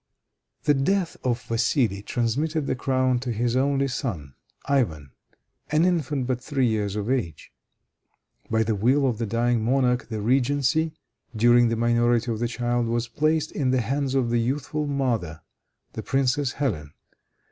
The death of Vassili transmitted the crown to his only son, Ivan, an infant but three years of age. By the will of the dying monarch, the regency, during the minority of the child, was placed in the hands of the youthful mother, the princess Hélène.